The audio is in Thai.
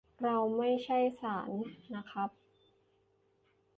เราไม่ใช่ศาลนะครับ